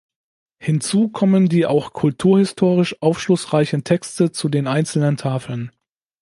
Hinzu kommen die auch kulturhistorisch aufschlussreichen Texte zu den einzelnen Tafeln.